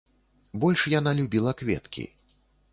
Больш яна любіла кветкі.